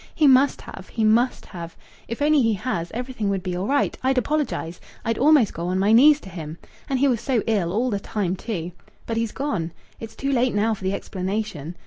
He must have. He must have. If only he has, everything would be all right. I'd apologize. I'd almost go on my knees to him.... And he was so ill all the time, too!... But he's gone. It's too late now for the explanation.